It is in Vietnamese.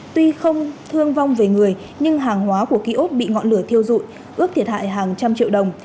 tuy không thương vong về người nhưng hàng hóa của kiosk bị ngọn lửa thiêu dụi ước thiệt hại hàng trăm triệu đồng